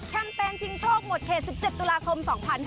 แมนชิงโชคหมดเขต๑๗ตุลาคม๒๕๕๙